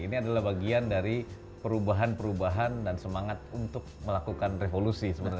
ini adalah bagian dari perubahan perubahan dan semangat untuk melakukan revolusi sebenarnya